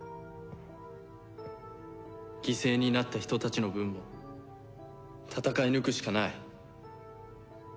犠牲になった人たちの分も戦い抜くしかない。